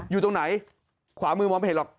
อยู่ตรงไหนขวามือมองไม่เห็นหรอก